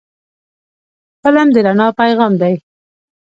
فلم د رڼا پیغام دی